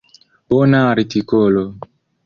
Bona artikolo.